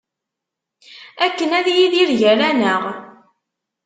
Akken ad yidir gar-aneɣ.